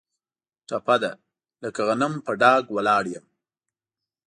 ټپه ده: لکه غنم په ډاګ ولاړ یم.